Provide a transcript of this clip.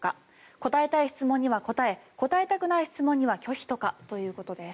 答えたい質問には答え答えたくない質問には拒否とかということです。